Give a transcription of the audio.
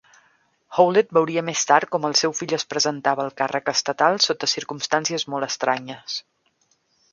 Howlett veuria més tard com el seu fill es presentava al càrrec estatal sota circumstàncies molt estranyes.